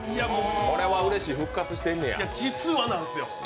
これはうれしい、復活してんねや。